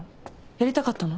やりたかったの？